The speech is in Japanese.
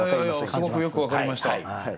すごくよく分かりました。